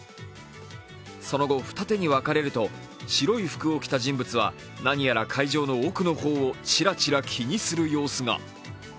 その後、二手に分かれると白い服を着た人物は何やら会場の奥の方をちらちら気にする様子が。